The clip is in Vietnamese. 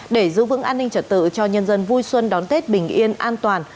để giữ vững an ninh trật tự cho nhân dân vui xuân đón tết bình yên an toàn